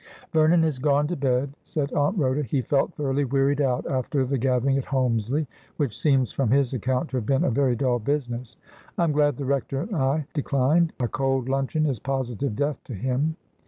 ' Vernon has gone to bed,' said Aunt Rhoda ;' he felt thoroughly wearied out after the gathering at Holmsley, which seems from his account to have been a very dull business. I am glad the Rector and I declined. A cold luncheon is positive death to him.'